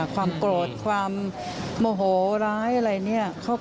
ความโกรธความโมโหร้ายอะไรเนี่ย